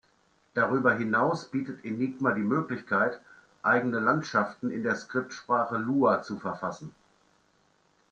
Darüber hinaus bietet Enigma die Möglichkeit, eigene Landschaften in der Skriptsprache Lua zu verfassen.